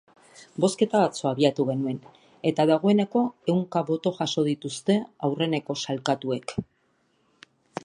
Bozketa atzo abiatu genuen, eta dagoeneko ehunka boto jaso dituzte aurreneko sailkatuek.